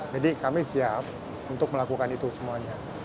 jadi kami siap untuk melakukan itu semuanya